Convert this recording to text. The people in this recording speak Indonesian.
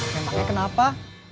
yang pake kenapa